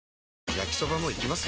焼きソバもいきます？